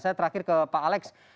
saya terakhir ke pak alex